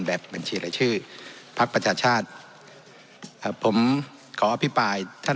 แบบบัญชีรายชื่อพักประชาชาติเอ่อผมขออภิปรายท่าน